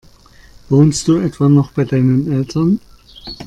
Wohnst du etwa noch bei deinen Eltern?